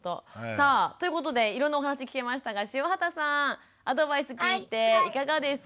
さあということでいろんなお話聞けましたが塩畑さんアドバイス聞いていかがですか？